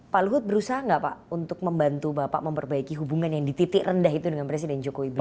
pak luhut berusaha nggak pak untuk membantu bapak memperbaiki hubungan yang di titik rendah itu dengan presiden jokowi